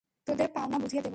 তোদের পাওনা বুঝিয়ে দেবো।